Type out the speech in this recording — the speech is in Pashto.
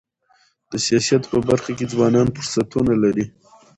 د سیاست په برخه کي ځوانان فرصتونه لري.